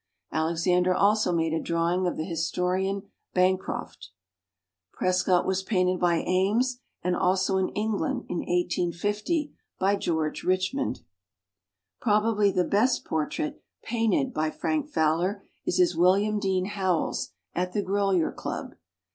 Alexander also made a draw ing of the historian Bancroft. Pres cott was painted by Ames and also in England in 1850 by George Richmond. A LITERARY PORTRAIT GALLERY 71 Probably the best portrait painted by Frank Fowler is his William Dean Howells at the Grolier Club.